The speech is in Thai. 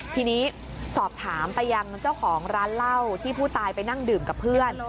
ทีนี้สอบถามไปยังเจ้าของร้านเหล้าที่ผู้ตายไปนั่งดื่มกับเพื่อน